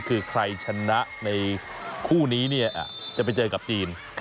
คือใครชนะในคู่นี้เนี่ยจะไปเจอกับจีน